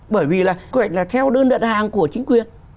bởi vì là quy hoạch là theo đơn đặt hàng của chính quyền